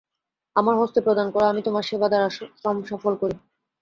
আমার হস্তে প্রদান কর, আমি তোমার সেবা দ্বারা শ্রম সফল করি।